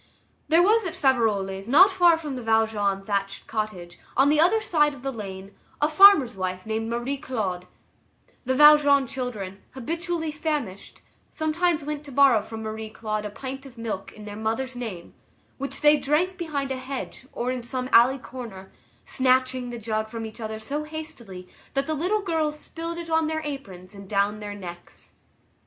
There was at Faverolles, not far from the Valjean thatched cottage, on the other side of the lane, a farmer's wife named Marie Claude; the Valjean children, habitually famished, sometimes went to borrow from Marie Claude a pint of milk, in their mother's name, which they drank behind a hedge or in some alley corner, snatching the jug from each other so hastily that the little girls spilled it on their aprons and down their necks.